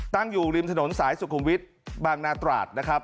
ตั้งอยู่ริมถนนสายสุขุมวิทย์บางนาตราดนะครับ